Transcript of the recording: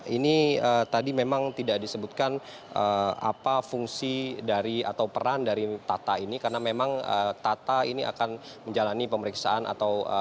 ini tadi memang tidak disebutkan apa fungsi dari atau peran dari tata ini karena memang tata ini akan menjalani pemeriksaan atau